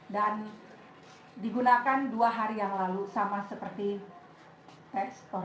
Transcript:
dan digunakan dua hari yang lalu sama seperti teks tora